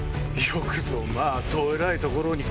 よくぞまぁ。